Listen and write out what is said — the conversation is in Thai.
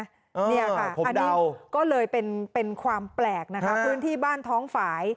นี่ค่ะอันนี้ก็เลยเป็นความแปลกนะคะพื้นที่บ้านท้องฝ่าย